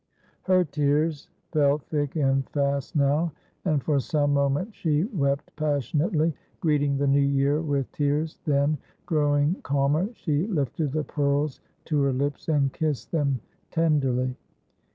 Her tears fell thick and fast now, and for some moments she wept passionately, greeting the new year with tears. Then, growing calmer, she lifted the pearls to her lips, and kissed them tenderly.